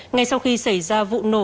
ngay sau khi xảy ra vụ nổ